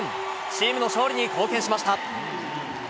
チームの勝利に貢献しました。